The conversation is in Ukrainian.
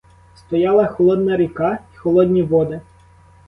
Стояла холодна ріка й холодні води.